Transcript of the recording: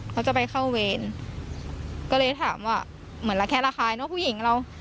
เขาจะไปเข้าเวรก็เลยถามว่าเหมือนระแคะระคายเนอะผู้หญิงเรา